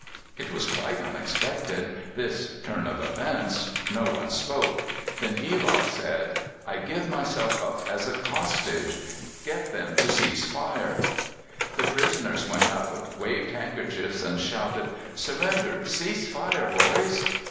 It was quite unexpected, this turn of events. No one spoke. Then Eloff said: "I give myself up as a hostage. Get them to cease fire." The prisoners went out, waved handkerchiefs, shouted, "Surrender! Cease fire, boys."